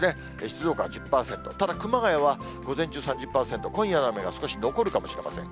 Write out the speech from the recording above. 静岡は１０％、ただ、熊谷は午前中３０％、今夜の雨が少し残るかもしれません。